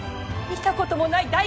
見たこともない